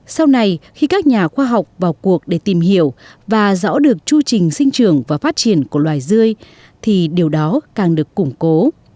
sau này khi các nhà khoa học vào cuộc để tìm hiểu và rõ được chu trình sinh trường và phát triển của loài dươi thì điều đó càng được củng cố